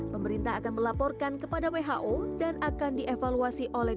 pemerintah akan melaporkan kepada who dan akan dievaluasi oleh